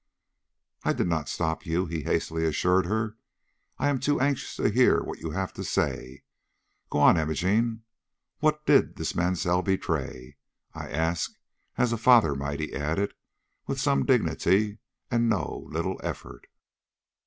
"I did not stop you," he hastily assured her. "I am too anxious to hear what you have to say. Go on, Imogene. What did this Mansell betray? I I ask as a father might," he added, with some dignity and no little effort.